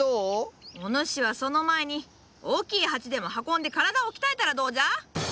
お主はその前に大きい鉢でも運んで体を鍛えたらどうじゃ？